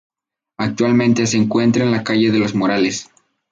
Actualmente se encuentra en la calle de los Morales.